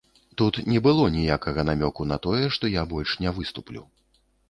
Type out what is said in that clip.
Тут не было ніякага намёку на тое, што я больш не выступлю.